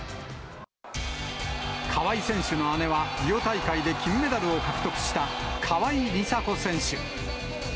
川井選手の姉は、リオ大会で金メダルを獲得した川井梨紗子選手。